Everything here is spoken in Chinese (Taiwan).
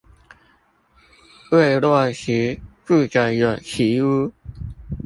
為落實住者有其屋